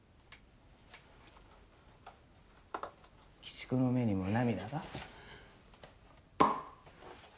鬼畜の目にも涙か？